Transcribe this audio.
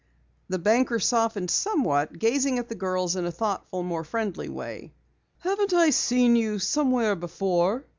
The banker softened somewhat, gazing at the girls in a thoughtful, more friendly way. "Haven't I seen you somewhere before?"